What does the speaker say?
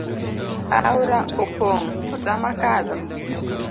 Aora opong' otama kadho